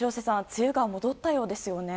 梅雨が戻ったようですね。